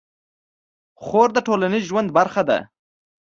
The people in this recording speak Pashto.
خور د ټولنیز ژوند برخه ده.